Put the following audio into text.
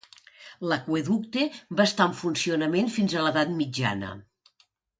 L'aqüeducte va estar en funcionament fins a l'edat mitjana.